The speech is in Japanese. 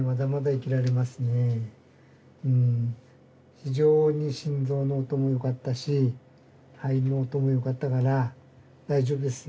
非常に心臓の音もよかったし肺の音もよかったから大丈夫ですよ。